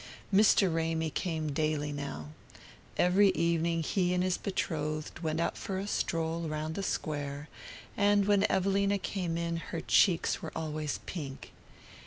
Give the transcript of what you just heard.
Mr. Ramy came daily now. Every evening he and his betrothed went out for a stroll around the Square, and when Evelina came in her cheeks were always pink.